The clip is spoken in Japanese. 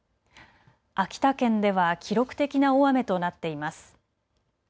秋田県では記録的な大雨となっています。